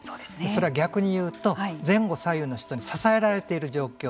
それは逆に言うと前後左右の人に支えられている状況。